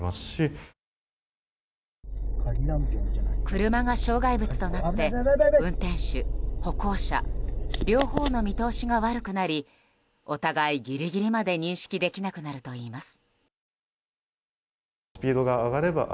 車が障害物となって運転手・歩行者両方の見通しが悪くなりお互いギリギリまで認識できなくなるといいます。